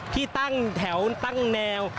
ที่ตั้งแถวตั้งแนว